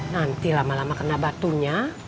nanti lama lama kena batunya